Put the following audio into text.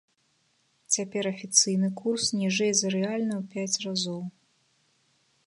Цяпер афіцыйны курс ніжэй за рэальны ў пяць разоў.